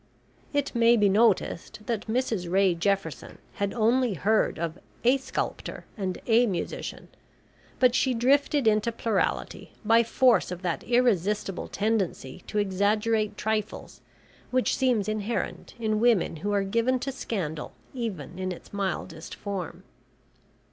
It may be noticed that Mrs Ray Jefferson had only heard of a sculptor and a musician, but she drifted into plurality by force of that irresistible tendency to exaggerate trifles which seems inherent in women who are given to scandal even in its mildest form.